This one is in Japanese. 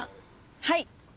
はい。